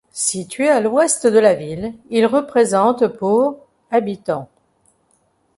Situé à l'ouest de la ville, il représente pour habitants.